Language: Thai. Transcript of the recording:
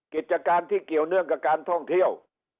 กิจการที่เกี่ยวเนื่องกับการท่องเที่ยว